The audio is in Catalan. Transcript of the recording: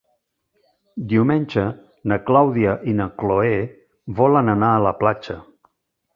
Diumenge na Clàudia i na Cloè volen anar a la platja.